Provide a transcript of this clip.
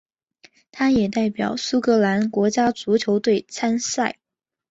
他也代表苏格兰国家足球队参赛。